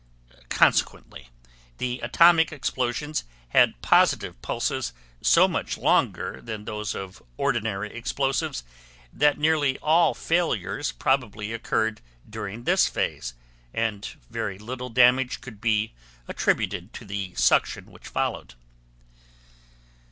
Consequently, the atomic explosions had positive pulses so much longer then those of ordinary explosives that nearly all failures probably occurred during this phase, and very little damage could be attributed to the suction which followed.